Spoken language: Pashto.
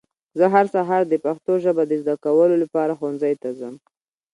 زه هر سهار د پښتو ژبه د ذده کولو لپاره ښونځي ته ځم.